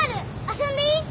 遊んでいい？